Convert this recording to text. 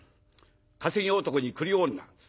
「稼ぎ男に繰り女」。